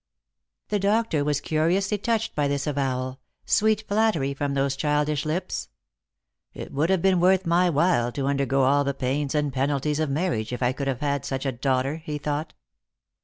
The doctor was curiously touched by this avowal — sweet flattery from those childish lips. " It would have been worth my while to undergo all the pains and penalties of marriage if I could have had such a daughter," he thought.